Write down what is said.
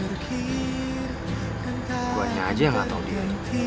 guanya aja yang gak tau dia